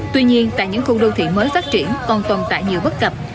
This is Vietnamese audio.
tuy nhiên tại những khu đô thị mới phát triển còn tồn tại nhiều bất cập